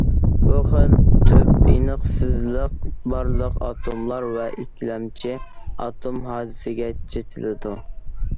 بۇ خىل تۈپ ئېنىقسىزلىق بارلىق ئاتوملار ۋە ئىككىلەمچى ئاتوم ھادىسىسىگە چېتىلىدۇ.